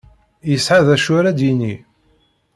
Yesεa d acu ara d-yini.